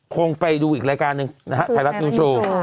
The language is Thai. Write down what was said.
คงไปดูอีกรายการหนึ่งนะฮะไทยรัฐนิวโชว์